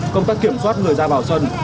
công tác kiểm soát người ra vào sân